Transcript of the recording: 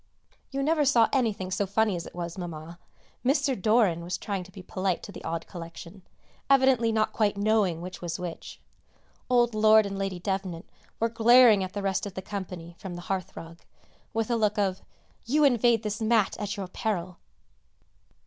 You never saw anything so funny as it was, Mamma. Mr. Doran was trying to be polite to the odd collection, evidently not quite knowing which was which. Old Lord and Lady Devnant were glaring at the rest of the company from the hearth rug, with a look of "You invade this mat at your peril!"